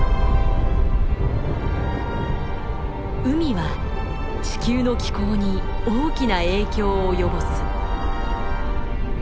海は地球の気候に大きな影響を及ぼす。